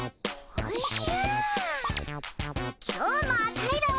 おおじゃ！